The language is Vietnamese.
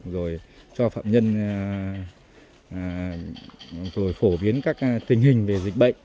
rồi cho phạm nhân rồi phổ biến các tình hình về dịch bệnh